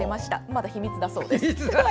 まだ秘密だそうです。